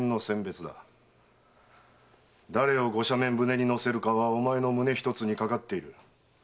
誰をご赦免船に乗せるかはお前の胸ひとつにかかっている。